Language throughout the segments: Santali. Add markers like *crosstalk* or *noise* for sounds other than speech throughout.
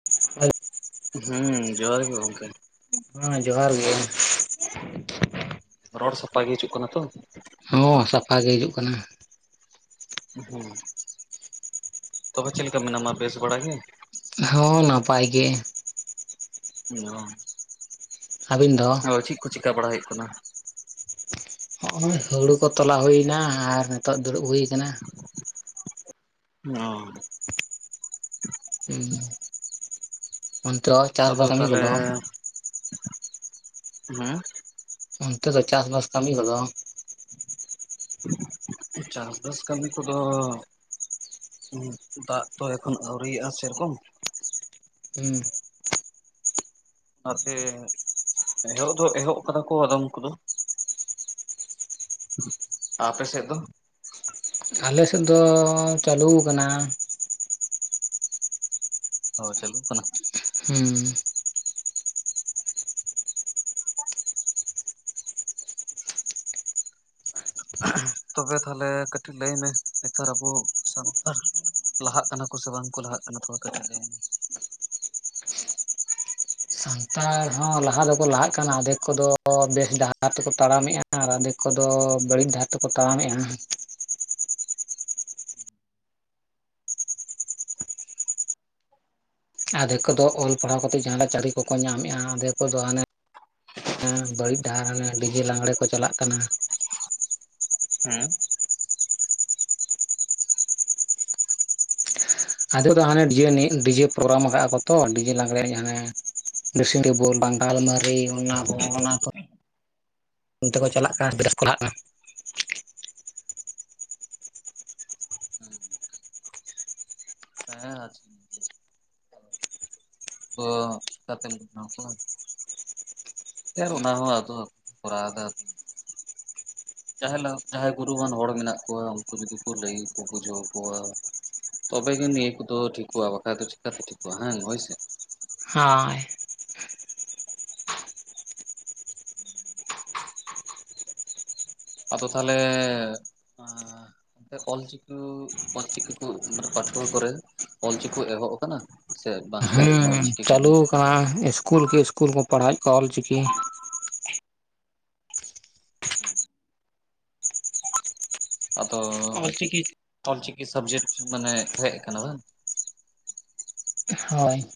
*unintelligible* ᱦᱮᱸ ᱡᱚᱦᱟᱨ ᱜᱮ ᱜᱚᱝᱠᱮ ᱦᱮᱸ ᱡᱚᱦᱟᱨ ᱜᱮ ᱨᱚᱲ ᱥᱟᱯᱷᱟ ᱜᱮ ᱦᱤᱡᱩᱜ ᱠᱟᱱᱟ ᱛᱚ ᱦᱚᱸ ᱥᱟᱯᱷᱟ ᱜᱮ ᱦᱤᱡᱩᱜ ᱠᱟᱱᱟ ᱦᱮᱸ ᱛᱚᱵᱮ ᱪᱮᱫ ᱞᱮᱠᱟ ᱢᱮᱱᱟᱢᱟ ᱵᱮᱥ ᱵᱟᱲᱟ ᱜᱮ ᱦᱚᱸ ᱱᱟᱯᱟᱭ ᱜᱮ ᱚ *unintelligible* ᱟᱹᱵᱤᱱ ᱫᱚ ᱟᱫᱚ ᱪᱮᱫ ᱠᱚ ᱪᱮᱠᱟ ᱵᱟᱲᱟ ᱦᱩᱭᱩᱜ ᱠᱟᱱᱟ ᱦᱚᱜᱚᱭ ᱦᱩᱲᱩ ᱠᱚ ᱛᱚᱞᱟ ᱦᱩᱭᱱᱟ ᱟᱨ ᱱᱤᱛᱚᱜ ᱫᱩᱲᱩᱵ ᱦᱩᱭ ᱟᱠᱟᱱᱟ ᱚ ᱦᱮᱸ *unintelligible* ᱟᱫᱚ ᱛᱟᱦᱚᱞᱮ ᱠᱚᱫᱚ ᱦᱮ ᱚᱱᱛᱮ ᱫᱚ ᱪᱟᱥ ᱵᱟᱥ ᱠᱟᱹᱢᱤ ᱠᱚᱫᱚ? ᱪᱟᱥᱵᱟᱥ ᱠᱟᱹᱢᱤ ᱠᱚᱫᱚ, ᱫᱟᱜ ᱛᱚ ᱮᱠᱷᱚᱱ ᱟᱹᱣᱨᱤᱭᱟᱜᱼᱟ ᱥᱮᱨᱚᱠᱚᱢ, ᱦᱩᱸ ᱟᱛᱮ ᱮᱦᱚᱵ ᱫᱚ ᱮᱦᱚᱵ ᱟᱠᱟᱫᱟ ᱠᱚ ᱟᱫᱚᱢ ᱠᱚᱫᱚ ᱟᱯᱮ ᱥᱮᱜ ᱫᱚ ᱟᱞᱮᱥᱮᱫ ᱫᱚ ᱪᱟᱹᱞᱩ ᱠᱟᱱᱟ ᱾ ᱚ ᱪᱟᱞᱩᱜ ᱠᱟᱱᱟ ᱾ ᱦᱩᱸ᱾ ᱛᱚᱵᱮ ᱛᱟᱦᱞᱮ ᱠᱟᱹᱴᱤᱡ ᱞᱟᱹᱭ ᱢᱮ ᱱᱮᱛᱟᱨ ᱟᱵᱚ ᱥᱟᱱᱛᱟᱲ ᱞᱟᱦᱟᱜ ᱠᱟᱱᱟ ᱠᱚ ᱥᱮ ᱵᱟᱝᱠᱩ ᱞᱟᱦᱟᱜ ᱠᱟᱱᱟ ᱛᱷᱚᱲᱟ ᱠᱟᱹᱴᱤᱡ ᱞᱟᱹᱭ ᱢᱮ ᱥᱟᱱᱛᱟᱲ ᱦᱚᱸ ᱞᱟᱦᱟ ᱫᱚᱠᱚ ᱞᱟᱦᱟᱜ ᱠᱟᱱᱟ ᱟᱫᱮᱠ ᱠᱚᱫᱚ ᱵᱮᱥ ᱰᱟᱦᱟᱨ ᱛᱮᱠᱚ ᱛᱟᱲᱟᱢᱮᱫᱼᱟ ᱾ ᱟᱨ ᱟᱫᱮᱠ ᱠᱚᱫᱚ ᱵᱟᱹᱲᱤᱡᱽ ᱰᱟᱦᱟᱨ ᱛᱮᱠᱚ ᱛᱟᱲᱟᱢᱮᱫᱼᱟ ᱾ ᱟᱫᱮᱠ ᱠᱚᱫᱚ ᱚᱞ ᱯᱟᱲᱦᱟᱣ ᱠᱟᱛᱮᱫ ᱡᱟᱦᱟᱸᱱᱟᱜ ᱪᱟᱹᱠᱨᱤ ᱠᱚᱠᱚ ᱧᱟᱢᱮᱫᱼᱟ ᱟᱫᱮᱠ ᱠᱚᱫᱚ ᱦᱟᱸᱱᱮ ᱦᱮᱸ ᱵᱟᱹᱲᱤᱡᱽ ᱰᱟᱦᱟᱨ ᱰᱤᱡᱮ ᱞᱟᱸᱜᱽᱲᱮ ᱠᱚ ᱪᱟᱞᱟᱜ ᱠᱟᱱᱟ ᱾ ᱦᱩᱸ ᱾ ᱟᱫᱮᱠ ᱫᱚ ᱦᱟᱸᱱᱮ ᱰᱤᱡᱮ ᱮᱱᱮᱡ ᱰᱤᱡᱮ ᱯᱨᱳᱜᱨᱟᱢ ᱠᱟᱜᱟ ᱠᱚ ᱛᱚ ᱰᱤᱡᱮ ᱞᱟᱜᱽᱬᱮ ᱦᱟᱸᱱᱮ ᱰᱨᱮᱥᱤᱝ ᱨᱮ ᱵᱚᱞ ᱵᱟᱝ ᱟᱞᱢᱟᱨᱤ ᱚᱱᱟ ᱚᱱᱟ ᱠᱚ ᱚᱱᱛᱮ ᱠᱚ ᱪᱟᱞᱟᱜ ᱠᱟᱱᱟ *unintelligible* ᱦᱩᱸ ᱾ *unintelligible* ᱯᱷᱮᱨ ᱚᱱᱟ ᱦᱚᱸ ᱟᱛᱳ ᱠᱚ ᱠᱚᱨᱟᱣ ᱫᱟ ᱾ ᱡᱟᱸᱦᱟᱭ ᱡᱟᱸᱦᱟᱭ ᱜᱩᱨᱩᱣᱟᱱ ᱦᱚᱲ ᱢᱮᱱᱟᱜ ᱠᱚᱣᱟ ᱩᱱᱠᱩ ᱡᱩᱫᱤ ᱠᱚ ᱞᱟᱹᱭ ᱵᱩᱡᱷᱟᱹᱣ ᱟᱠᱚᱣᱟ ᱾ ᱛᱚᱵᱮ ᱜᱮ ᱱᱤᱭᱟᱹ ᱠᱚᱫᱚ ᱴᱷᱤᱠᱚᱜᱼᱟ ᱵᱟᱠᱷᱟᱡᱽ ᱫᱚ ᱪᱤᱠᱟᱹᱛᱮ ᱴᱷᱤᱠᱚᱜᱼᱟ ᱦᱟᱝ ᱦᱳᱭᱥᱮ ᱦᱟᱸᱭ ᱾ *inaudible* ᱟᱫᱚ ᱛᱟᱞᱮ, ᱚᱞ ᱪᱤᱠᱤ, ᱚᱞ ᱪᱤᱠᱤ, ᱠᱩ ᱢᱟᱱᱮ ᱯᱟᱹᱴᱷᱣᱟᱹ ᱠᱚᱨᱮ -ᱼ ᱚᱞᱪᱤᱠᱤ ᱮᱦᱚᱵ ᱟᱠᱟᱱᱟ ᱥᱮ ᱵᱟᱝ ᱮᱦᱚᱵ ᱟᱠᱟᱱᱟ ᱚᱞᱪᱤᱠᱤ ᱠᱚ, ᱱᱚᱣᱟ ᱥᱤᱥᱠᱩᱞ ᱠᱤ ᱤᱥᱠᱩᱞ ᱠᱚ ᱯᱟᱲᱦᱟᱣᱮᱫ ᱠᱚᱣᱟ ᱚᱞ ᱪᱤᱠᱤ, *unintelligible* ᱟᱫᱚ ᱚᱞᱪᱤᱠᱤ ᱚᱞ ᱪᱤᱠᱤ ᱥᱟᱵᱡᱮᱠᱴ ᱢᱟᱱᱮ ᱦᱮᱡ ᱟᱠᱟᱱᱟ ᱵᱟᱝ, ᱦᱳᱭ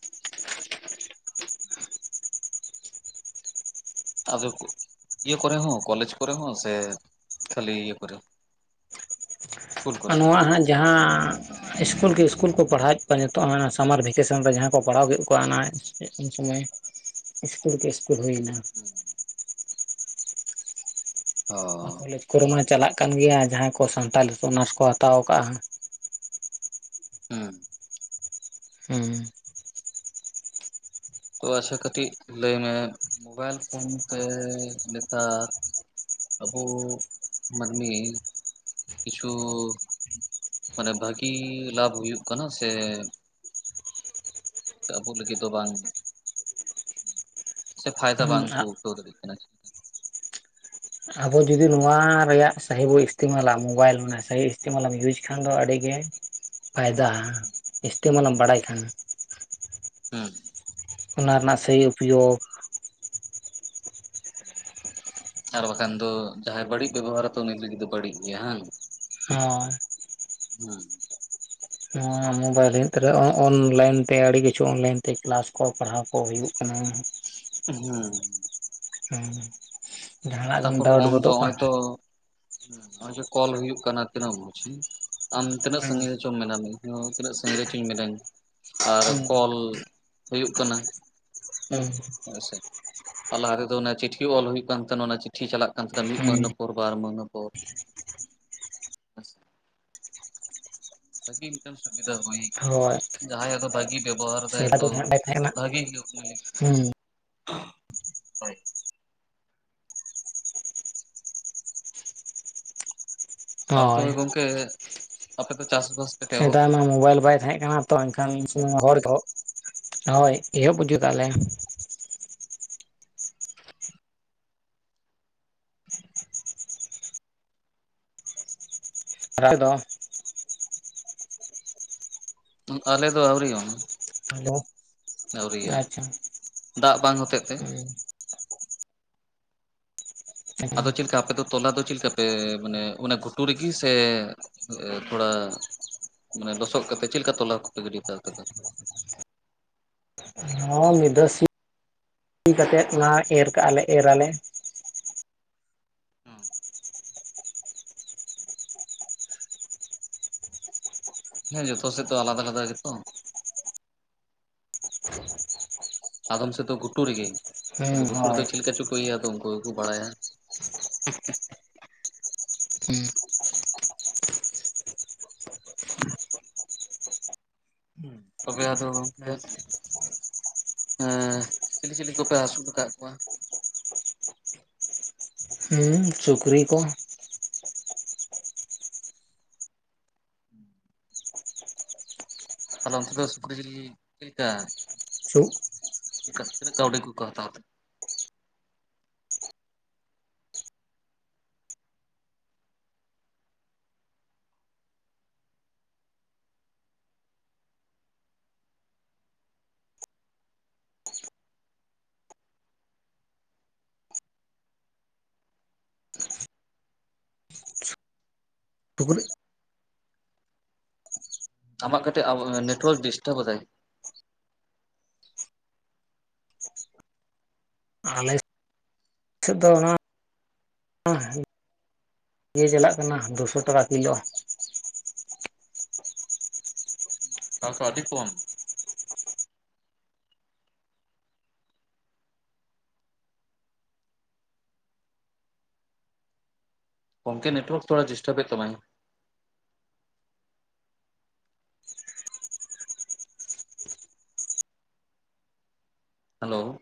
ᱟᱫᱚ ᱤᱭᱟᱹ ᱠᱚᱨᱮ ᱦᱚᱸ ᱠᱚᱞᱮᱡᱽ ᱠᱚᱨᱮ ᱦᱚᱸ ᱥᱮ ᱠᱷᱟᱹᱞᱤ ᱤᱭᱟᱹ ᱠᱚᱨᱮ ᱦᱚᱸ *inaudible* ᱟᱨ ᱱᱚᱣᱟ ᱦᱟᱸᱜ ᱡᱟᱦᱟᱸ ᱤᱥᱠᱩᱞ ᱠᱮ ᱤᱥᱠᱩᱞ ᱠᱚ ᱯᱟᱲᱦᱟᱣᱮᱫ ᱠᱚᱣᱟ ᱱᱤᱛᱚᱜ ᱥᱟᱢᱟᱨ ᱵᱷᱮᱠᱮᱥᱚᱱ ᱨᱮ ᱡᱟᱦᱟᱸᱭ ᱠᱚ ᱯᱟᱲᱦᱟᱣ ᱠᱮᱫ ᱠᱚᱣᱟ ᱚᱱᱟ ᱩᱱ ᱥᱚᱢᱚᱭ ᱥᱤᱥᱠᱩᱞ ᱠᱮ ᱥᱤᱥᱠᱩᱞ ᱦᱩᱭ ᱮᱱᱟ, ᱦᱩᱸ ᱚ ᱠᱚᱞᱮᱡᱽ ᱠᱚᱨᱮ ᱢᱟ ᱪᱟᱞᱟᱜ ᱠᱟᱱ ᱜᱮᱭᱟ ᱡᱟᱸᱦᱟᱭ ᱠᱚ ᱥᱟᱱᱛᱟᱞᱤ ᱚᱱᱟᱨᱥ ᱠᱚ ᱦᱟᱛᱟᱣ ᱟᱠᱟᱫᱟ, ᱦᱩᱸ ᱦᱩᱸ ᱛᱚ ᱟᱪᱪᱷᱟ ᱠᱟᱹᱴᱤᱡ ᱞᱟᱹᱭ ᱢᱮ ᱢᱳᱵᱟᱭᱤᱞ ᱯᱷᱳᱱ ᱛᱮ ᱱᱮᱛᱟᱨ ᱟᱵᱚ ᱢᱟᱹᱱᱢᱤ ᱠᱤᱪᱷᱩ *unintelligible* ᱢᱟᱱᱮ ᱵᱷᱟᱹᱜᱤ ᱞᱟᱵᱷᱽ ᱦᱩᱭᱩᱜ ᱠᱟᱱᱟ ᱥᱮ ᱥᱮ ᱟᱵᱚ ᱞᱟᱹᱜᱤᱫ ᱫᱚ ᱵᱟᱝ ᱥᱮ ᱯᱷᱟᱭᱫᱟ ᱦᱩᱸ ᱵᱟᱝ ᱠᱚ ᱩᱴᱷᱟᱹᱣ ᱫᱟᱲᱮᱭᱟᱜ ᱠᱟᱱᱟ, ᱟᱵᱚ ᱡᱩᱫᱤ ᱱᱚᱣᱟ ᱨᱮᱭᱟᱜ ᱥᱟᱹᱦᱤ ᱵᱚᱱ ᱤᱥᱛᱮᱢᱟᱞᱟ ᱢᱳᱵᱟᱭᱤᱞ ᱥᱟᱹᱦᱤ ᱤᱥᱛᱮᱢᱞᱟᱢ ᱤᱭᱩᱡᱽ ᱠᱷᱟᱱ ᱫᱚ ᱟᱹᱰᱤ ᱜᱮ, ᱯᱷᱟᱭᱫᱟ ᱤᱥᱛᱮᱢᱟᱞᱮᱢ ᱵᱟᱲᱟᱭ ᱠᱷᱟᱱ ᱦᱩᱸ ᱚᱱᱟ ᱨᱮᱱᱟᱜ ᱥᱟᱹᱦᱤ ᱯᱚᱭᱳᱜᱽ ᱾ ᱟᱨ ᱵᱟᱠᱷᱟᱱ ᱫᱚ ᱡᱟᱦᱟᱸᱭ ᱵᱟᱹᱲᱤᱡ ᱵᱮᱵᱚᱦᱟᱨᱟᱫᱟ ᱩᱱᱤ ᱞᱟᱹᱜᱤᱫ ᱫᱚ ᱵᱟᱹᱲᱤᱡ ᱜᱮᱭᱟ ᱦᱟᱝ᱾ ᱦᱚᱸ ᱦᱮᱸ ᱱᱚᱣᱟ ᱢᱳᱵᱟᱭᱤᱞ *unintelligible* ᱚᱱᱞᱟᱭᱤᱱ ᱛᱮ ᱟᱹᱰᱤ ᱠᱤᱪᱷᱩ ᱚᱱᱞᱟᱭᱤᱱ ᱛᱮ ᱠᱮᱞᱟᱥ ᱠᱚ ᱯᱟᱲᱦᱟᱣ ᱠᱚ ᱦᱩᱭᱩᱜ ᱠᱟᱱᱟ᱾ ᱦᱮᱸ ᱦᱮᱸ ᱡᱟᱦᱟᱱᱟᱜ ᱛᱟᱨ ᱜᱮᱢ ᱯᱚᱨ ᱰᱟᱣᱩᱴ ᱯᱷᱳᱱ ᱫᱚ ᱜᱚᱫᱚᱜ ᱠᱟᱱ ᱦᱚᱭᱛᱚ, ᱦᱮᱸ ᱱᱚᱜᱚᱭ ᱡᱮ ᱠᱚᱞ ᱦᱩᱭᱩᱜᱜ ᱠᱟᱱᱟ ᱛᱤᱱᱟᱹᱜ ᱢᱡ ᱟᱢ ᱛᱤᱱᱟᱹᱜ ᱦᱮᱸ ᱥᱟᱹᱜᱤᱧ, ᱢᱮᱱᱟᱢᱮ ᱤᱧᱦᱚ ᱛᱤᱱᱟᱹᱜ ᱥᱤᱜᱨᱮᱪ ᱤᱧ ᱢᱤᱱᱟᱹᱧᱟ ᱟᱨ ᱦᱮᱸ ᱠᱚᱞ ᱦᱩᱭᱩᱜ ᱠᱟᱱᱟ᱾ ᱦᱮᱸ ᱦᱮᱸᱥᱮ ᱟᱨ ᱞᱟᱦᱟ ᱛᱮᱫᱚ ᱚᱱᱟ ᱪᱤᱴᱷᱤ ᱚᱞ ᱦᱩᱭᱩᱜ ᱠᱟᱱ ᱛᱟᱦᱮᱱᱟ ᱚᱱᱟ ᱪᱤᱴᱷᱤ ᱪᱟᱞᱟᱜ ᱠᱟᱱ ᱛᱟᱦᱮᱱᱟ ᱢᱤᱫ ᱦᱮᱸ ᱢᱟᱹᱦᱤᱱᱟ ᱠᱚ ᱵᱟᱨ ᱢᱮᱦᱱᱮ ᱠᱚ ᱦᱮᱸ ᱥᱮ᱾ *unintelligible* ᱵᱷᱟᱹᱜᱤ ᱢᱤᱫᱴᱮᱱ ᱥᱩᱵᱤᱫᱟ ᱦᱩᱭ ᱠᱟᱱᱟ᱾ ᱦᱳᱭ ᱡᱟᱦᱟᱸᱭ ᱟᱫᱚ ᱵᱷᱟᱜᱤᱭ ᱵᱮᱵᱚᱦᱟᱨ ᱫᱟᱭ ᱥᱮᱫᱟᱭ ᱛᱚ ᱫᱚ ᱱᱟᱦᱟᱜ ᱵᱟᱭ ᱛᱟᱦᱮᱸ ᱠᱟᱱᱟ ᱵᱷᱟᱜᱮ ᱦᱩᱭᱩᱜ ᱩᱱᱤ ᱞᱟᱹᱜᱤᱫ ᱫᱚ, ᱦᱮᱸ ᱦᱳᱭ ᱟᱨ ᱦᱳᱭ ᱛᱚᱵᱮ ᱜᱚᱝᱠᱮ ᱟᱯᱮ ᱯᱮ ᱪᱟᱥ ᱵᱟᱥ ᱥᱮᱫᱟᱭ ᱢᱟ ᱢᱳᱵᱟᱭᱤᱞ ᱵᱟᱭ ᱛᱟᱦᱮᱸ ᱠᱟᱱᱟ ᱛᱚ ᱮᱱᱠᱷᱟᱱ ᱦᱚᱲ ᱫᱚ ᱦᱳᱭ ᱮᱦᱚᱵ ᱵᱩᱡᱩᱜ ᱛᱟᱜ ᱞᱮ, *unintelligible* ᱫᱚ ᱚᱝᱠᱟ ᱟᱞᱮ ᱫᱚ ᱟᱣᱨᱤ, ᱟᱫᱚ ᱟᱹᱣᱨᱤᱭᱟᱜᱼᱟ ᱫᱟᱜ ᱵᱟᱝ ᱦᱚᱛᱮ ᱛᱮ, ᱟᱫᱚ ᱪᱮᱫ ᱞᱮᱠᱟ ᱟᱯᱮ ᱫᱚ, ᱛᱚᱞᱟ ᱫᱚ ᱪᱮᱫ ᱞᱮᱠᱟ ᱯᱮ ᱢᱟᱱᱮ ᱚᱱᱟ ᱜᱷᱩᱴᱩ ᱨᱮᱜᱮ ᱥᱮ ᱛᱷᱚᱲᱟ ᱢᱟᱱᱮ ᱞᱚᱥᱚᱫ ᱠᱟᱛᱮᱫ ᱪᱮᱫ ᱞᱮᱠᱟ ᱛᱚᱞᱟ ᱠᱟᱛᱮᱯᱮ ᱜᱟᱹᱰᱤ ᱵᱟᱲᱟ ᱠᱟᱫᱟ? ᱦᱚᱸ ᱢᱤᱫ ᱫᱷᱟᱹᱣ ᱥᱤ ᱠᱟᱛᱮᱫ ᱚᱱᱟ ᱮᱨ ᱠᱟᱜᱼᱟ ᱞᱮ ᱮᱨ ᱟᱞᱮ᱾ *inaudible* ᱦᱮᱸ ᱡᱚᱛᱚ ᱥᱮᱫ ᱛᱚ ᱟᱞᱟᱫᱟ ᱟᱞᱟᱫᱟ ᱜᱮ ᱛᱚ᱾ ᱟᱫᱚᱢ ᱥᱮᱫ ᱫᱚ ᱜᱷᱩᱴᱩ ᱨᱮᱜᱮ ᱟᱫᱚ ᱦᱩᱸ ᱜᱩᱴᱩ ᱨᱮᱫᱚ ᱦᱳᱭ ᱪᱮᱫ ᱞᱮᱠᱟ ᱪᱚ ᱯᱟᱹᱭ ᱟᱫᱚ ᱩᱱᱠᱩ ᱜᱮᱠᱚ ᱵᱟᱲᱟᱭᱟ, *unintelligible* *unintelligible* *inaudible* *unintelligible* ᱛᱚᱵᱮ ᱟᱫᱚ ᱜᱚᱝᱠᱮ ᱦᱮᱸ ᱪᱤᱞᱤ ᱪᱤᱞᱤ ᱠᱚᱯᱮ ᱟᱹᱥᱩᱞ ᱠᱟᱫ ᱠᱚᱣᱟ? ᱦᱩᱸ ᱥᱩᱠᱨᱤ ᱠᱚ, *unintelligible* ᱛᱟᱦᱚᱞᱮ ᱚᱱᱛᱮ ᱫᱚ ᱥᱩᱠᱨᱤ ᱡᱤᱞ ᱪᱮᱫ ᱞᱮᱠᱟ? ᱪᱮᱜ? ᱪᱤᱠ ᱠᱟ ᱛᱤᱱᱟᱹᱜ ᱠᱟᱹᱣᱰᱤ ᱠᱚ ᱠᱚ ᱦᱟᱛᱟᱣ ᱛᱮ? *unintelligible* ᱟᱢᱟᱜ ᱠᱟᱹᱴᱤᱡ ᱟᱵ ᱱᱮᱴᱣᱟᱨᱠ ᱰᱤᱥᱴᱟᱨᱵ ᱮ ᱫᱟᱭ, ᱟᱞᱮ ᱥᱮᱫ ᱫᱚ ᱚᱱᱟ *unintelligible* ᱤᱭᱟᱹ ᱪᱟᱞᱟᱜ ᱠᱟᱱᱟ ᱫᱩᱥᱚ ᱴᱟᱠᱟ ᱠᱤᱞᱳ, ᱛᱟᱭ ᱚᱸ ᱛᱚ ᱟᱹᱰᱤ ᱠᱚᱢ, ᱜᱚᱝᱠᱮ ᱱᱮᱴᱣᱟᱨᱠ ᱛᱷᱚᱲᱟ ᱰᱤᱥᱴᱟᱵ ᱮᱫ ᱛᱟᱢᱟᱭ, ᱦᱮᱞᱳ,